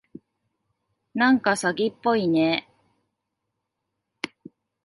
なんか詐欺っぽいね。